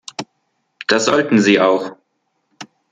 Das sollten sie auch.